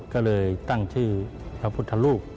ก็เลยตั้งชื่อพระพุทธรูป